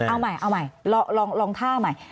เอาใหม่เอาใหม่ลองท่าใหม่